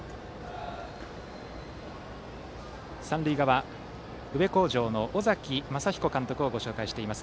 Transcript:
三塁側、宇部鴻城の尾崎公彦監督をご紹介しています。